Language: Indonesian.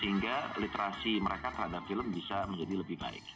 sehingga literasi mereka terhadap film bisa menjadi lebih baik